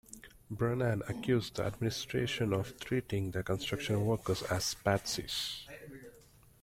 Brennan accused the administration of treating the construction workers as "patsies".